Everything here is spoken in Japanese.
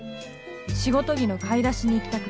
仕事着の買い出しに行きたくて。